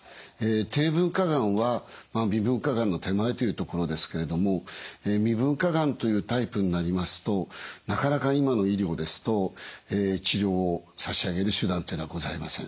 低分化がんはまあ未分化がんの手前というところですけれども未分化がんというタイプになりますとなかなか今の医療ですと治療をさしあげる手段というのはございません。